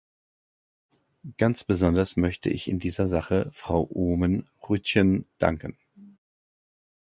Ganz besonders möchte ich in dieser Sache Frau Oomen-Ruijten danken.